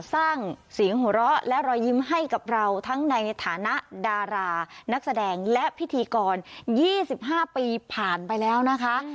สร้างเสียงหัวเราะและรอยยิ้มให้กับเราทั้งในฐานะดารานักแสดงและพิธีกร๒๕ปีผ่านไปแล้วนะคะ